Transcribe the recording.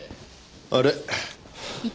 あれ？